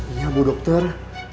iya bu dokter